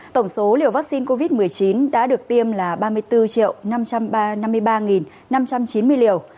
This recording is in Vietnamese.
tổng số liều vaccine covid một mươi chín đã được tiêm là ba mươi bốn năm trăm năm mươi ba năm trăm chín mươi liều